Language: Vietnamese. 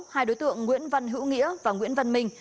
hai đối tượng nguyễn văn hữu nghĩa và nguyễn văn minh